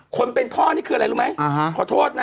คนเป็นพ่อนี่คืออะไรรู้ไหมขอโทษนะ